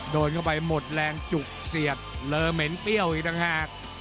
โดนเข้าไปหมดแรงจุกเสียบเลอเหม็นเปรี้ยวอีกต่างหาก